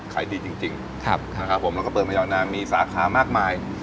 ขายดีจริงจริงครับครับครับแล้วก็เปิดมาอย่างนั้นมีสาขามากมาย